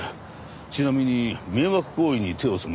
ちなみに迷惑行為に手を染める自称